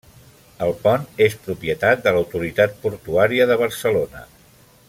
El pont és propietat de l’Autoritat Portuària de Barcelona.